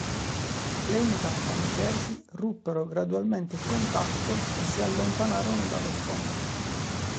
Le unità francesi ruppero gradualmente il contatto e si allontanarono dallo scontro.